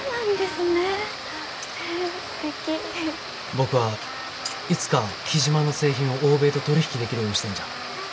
僕はいつか雉真の製品を欧米と取り引きできるようにしたいんじゃ。